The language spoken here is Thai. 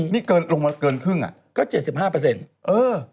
นี่ลงมาเกินครึ่งอ่ะก็๗๕เออ